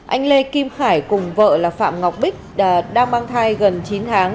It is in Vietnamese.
anh lê kim khải cùng vợ là phạm ngọc bích đang mang thai gần chín tháng